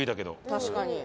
確かに。